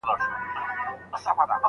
د روښانه ذهنو توجه د تغیر سبب ګرځي.